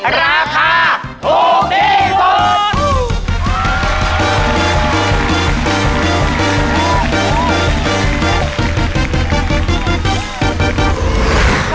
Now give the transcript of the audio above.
ราคาถูกที่สุด